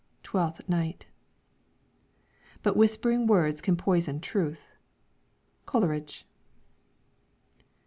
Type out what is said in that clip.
TWELFTH NIGHT. "But whispering words can poison truth." COLERIDGE.